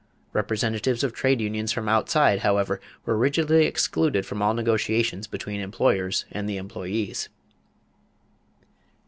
Representatives of trade unions from outside, however, were rigidly excluded from all negotiations between employers and the employees.